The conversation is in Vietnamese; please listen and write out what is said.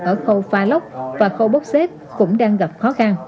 ở khâu pha lốc và khâu bốc xếp cũng đang gặp khó khăn